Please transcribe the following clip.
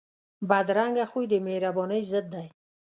بدرنګه خوی د مهربانۍ ضد دی